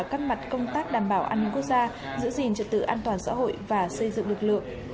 các mặt công tác đảm bảo an ninh quốc gia giữ gìn trật tự an toàn xã hội và xây dựng lực lượng